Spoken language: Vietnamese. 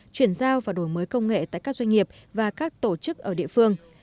chuyển giao và đổi mới công nghệ tại các doanh nghiệp và các tổ chức ở địa phương